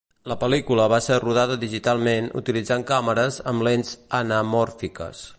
La pel·lícula va ser rodada digitalment utilitzant càmeres amb lents anamòrfiques.